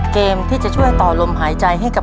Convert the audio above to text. เกมที่จะช่วยต่อลมหายใจให้กับ